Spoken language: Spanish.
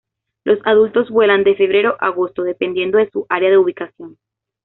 Los adultos vuelan de febrero a agosto, dependiendo de su área de ubicación.